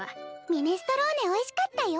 ミネストローネおいしかったよ。